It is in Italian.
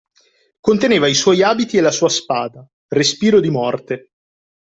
Conteneva i suoi abiti e la sua spada, Respiro di morte.